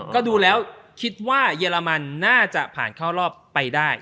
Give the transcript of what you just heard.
ก็ดูแล้วคิดว่าเยอรมันน่าจะผ่านเข้ารอบไปได้